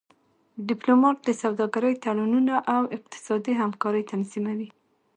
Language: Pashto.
ډيپلومات د سوداګری تړونونه او اقتصادي همکاری تنظیموي.